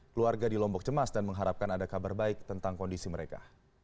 keluarga di lombok cemas dan mengharapkan ada kabar baik tentang kondisi mereka